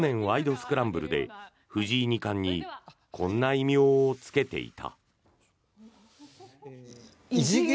スクランブル」で藤井二冠にこんな異名をつけていた。